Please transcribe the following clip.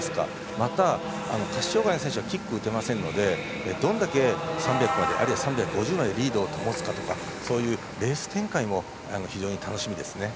また、下肢障がいの選手はキックを打てないのでどれだけ３００あるいは３５０までリードを保つかとかそういうレース展開も非常に楽しみですね。